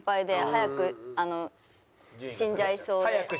「早く死んじゃいそう」。